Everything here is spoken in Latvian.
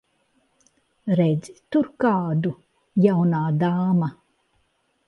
Redzi tur kādu, jaunā dāma?